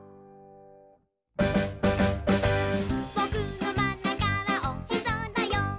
「ぼくのまんなかはおへそだよ」